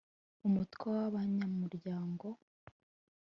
Umutwe wa Abanyamuryango